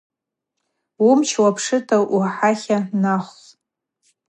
Уымч уапшыта ухӏатла нахв.